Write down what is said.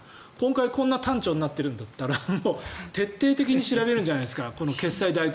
今回、こんな端緒になってるんだったら徹底的に調べるんじゃないですか。